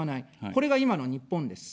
これが今の日本です。